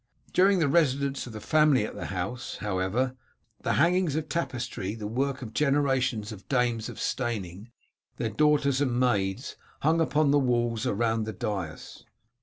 During the residence of the family at the house, however, the hangings of tapestry, the work of generations of dames of Steyning, their daughters and maids, hung upon the walls round the dais.